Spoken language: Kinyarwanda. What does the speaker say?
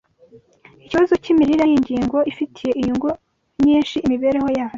Ikibazo cy’imirire ni ingingo ifitiye inyungu nyinshi imibereho yacu.